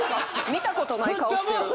見たことない顔してる。